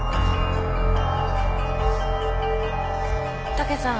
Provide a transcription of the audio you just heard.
武さん